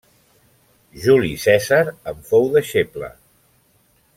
Juli Cèsar en fou deixeble.